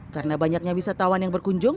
karena banyaknya wisatawan yang berkunjung